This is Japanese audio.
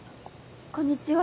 こんにちは。